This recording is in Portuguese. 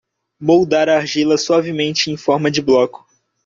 Moldar a argila suavemente em forma de bloco.